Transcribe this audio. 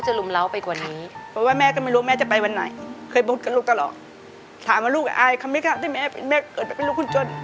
ถ้ามาลูกก็ไอคำเด้อแม่เป็นแม่ออกแบบลูกคุณจน